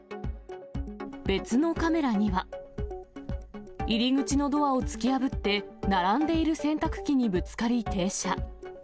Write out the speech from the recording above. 別のカメラには、入り口のドアを突き破って並んでいる洗濯機にぶつかり停車。